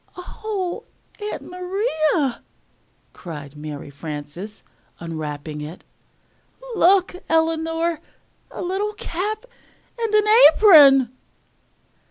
"Oh, Aunt Maria!" cried Mary Frances unwrapping it. "Look, Eleanor! a little cap and apron!"